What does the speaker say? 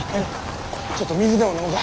ちょっと水でも飲もか。